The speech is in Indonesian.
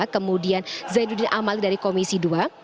kemudian zaiduddin amal dari komisi dua